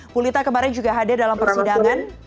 bulita kemarin juga hadir dalam persidangan